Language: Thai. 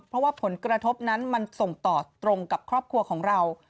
เพราะว่าผลกระทบนั้นมันส่งต่อตรงกับครอบครัวของเรา